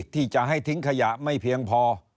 ที่จะให้ทิ้งขยะไม่เพียงพอ